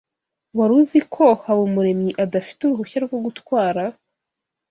Wari uzi ko Habumuremyi adafite uruhushya rwo gutwara?